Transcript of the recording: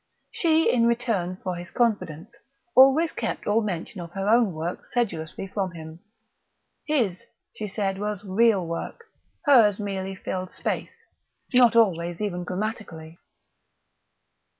She, in return for his confidence, always kept all mention of her own work sedulously from him. His, she said, was "real work"; hers merely filled space, not always even grammatically.